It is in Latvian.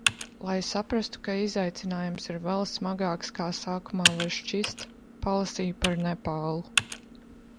Lai saprastu, ka izaicinājums ir vēl smagāks, kā sākumā var šķist. Palasīju par Nepālu.